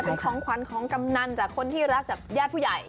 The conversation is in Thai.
เป็นของขวัญของกำนันจากคนที่รักจากญาติผู้ใหญ่